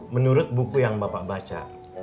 menurut buku yang bapak baca